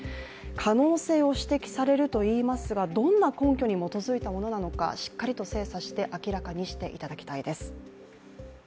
可能性を指摘されるといいますがどんな根拠に基づいたものなのかしっかりと精査して明らかにしていただきたいです。